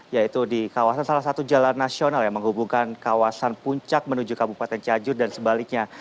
yaitu di kawasan salah satu jalan nasional yang menghubungkan kawasan puncak menuju kabupaten cianjur dan sebaliknya